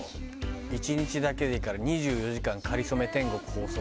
「１日だけでいいから２４時間『かりそめ天国』放送してほしい」